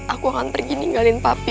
aku akan pergi ninggalin papi